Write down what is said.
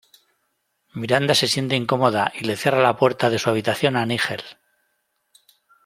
Miranda se siente incómoda y le cierra la puerta de su habitación a Nigel.